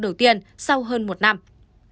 đầu tiên sau hơn một năm